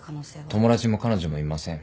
友達も彼女もいません。